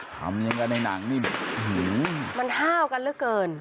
ทำอย่างกับในนั่งนี่หื้มมันฮ่ากันเรื่อยเกิน